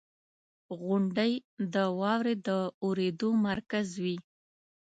• غونډۍ د واورې د اورېدو مرکز وي.